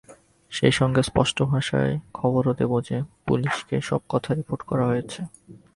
সেই সঙ্গে স্পষ্টভাষায় খবরও দেব যে, পুলিসকে সব কথা রিপোর্ট করা হয়েছে।